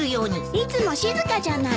いつも静かじゃない。